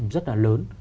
rất là lớn